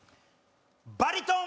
バリトン！